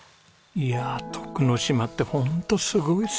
いや徳之島ってホントすごいっすね！